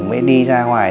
mới đi ra ngoài